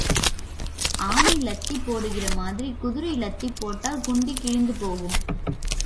ஆனை லத்தி போடுகிற மாதிரி குதிரை லத்தி போட்டால் குண்டி கிழிந்து போகும்.